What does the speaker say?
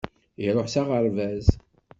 Iruḥ s aɣerbaz.